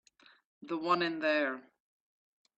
The one in there.